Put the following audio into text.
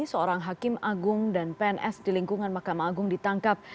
seorang hakim agung dan pns di lingkungan mahkamah agung ditangkap